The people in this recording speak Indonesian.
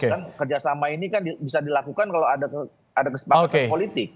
kan kerjasama ini kan bisa dilakukan kalau ada kesepakatan politik